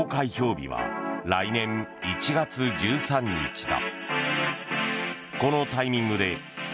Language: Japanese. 日は来年１月１３日だ。